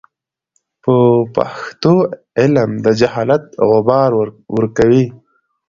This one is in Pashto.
په پښتو علم د جهالت غبار ورکوي.